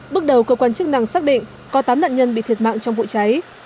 bước đầu cơ quan chức năng xác định có tám nạn nhân bị thiệt mạng trong vụ cháy